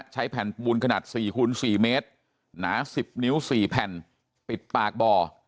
ใช้แผ่นปูนขนาด๔คูณ๔เมตรหนา๑๐นิ้ว๔แผ่นปิดปากบ่อ